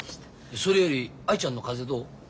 それより藍ちゃんの風邪どう？